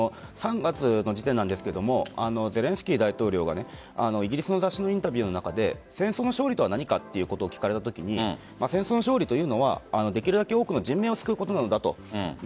３月の時点なんですがゼレンスキー大統領がイギリスの雑誌のインタビューの中で戦争の勝利とは何かを聞かれたときに戦争の勝利というのはできるだけ多くの人命を救うことなのだと。